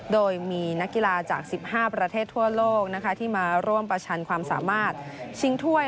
โดยมีนักกีฬาจาก๑๕ประเทศทั่วโลกที่มาร่วมประชันความสามารถชิงถ้วย